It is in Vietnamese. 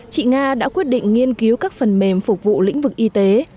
chị nga đã quyết định nghiên cứu các phần mềm phục vụ lĩnh vực y tế